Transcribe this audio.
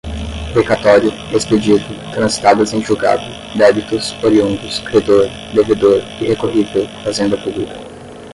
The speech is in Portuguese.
precatório, expedido, transitadas em julgado, débitos, oriundos, credor, devedor, irrecorrível, fazenda pública